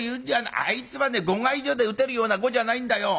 あいつはね碁会所で打てるような碁じゃないんだよ。